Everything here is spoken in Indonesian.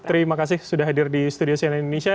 terima kasih sudah hadir di studio cnn indonesia